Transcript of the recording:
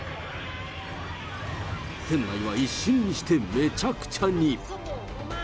店内は一瞬にしてめちゃくちゃに。